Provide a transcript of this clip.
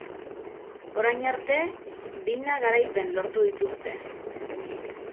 Orain arte, bina garaipen lortu dituzte.